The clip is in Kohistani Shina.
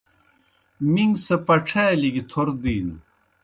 مِݩگ سہ پَڇَھالیْ گیْ تھور دِینوْ۔